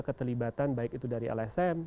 keterlibatan baik itu dari lsm